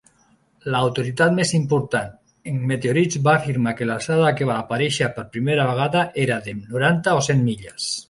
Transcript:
L'autoritat més important en meteorits va afirmar que l'alçada a què va aparèixer per primera vegada era de noranta o cent milles.